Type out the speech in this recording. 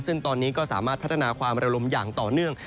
ซึ่งตอนนี้ก็สามารถพัฒนาความระลมอย่างต่อเนื่อง